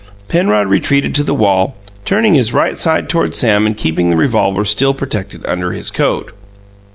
Penrod retreated to the wall, turning his right side toward Sam and keeping the revolver still protected under his coat.